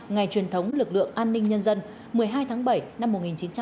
ngày truyền thống lực lượng an ninh nhân dân một mươi hai tháng bảy năm một nghìn chín trăm bảy mươi năm